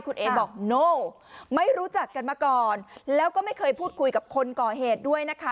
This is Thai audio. คุณเอบอกโน่ไม่รู้จักกันมาก่อนแล้วก็ไม่เคยพูดคุยกับคนก่อเหตุด้วยนะคะ